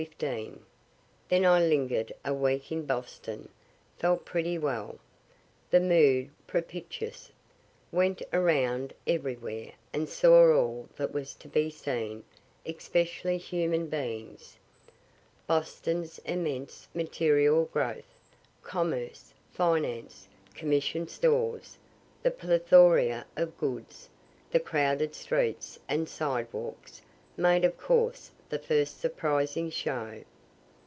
Then I linger'd a week in Boston felt pretty well (the mood propitious, my paralysis lull'd) went around everywhere, and saw all that was to be seen, especially human beings. Boston's immense material growth commerce, finance, commission stores, the plethora of goods, the crowded streets and sidewalks made of course the first surprising show.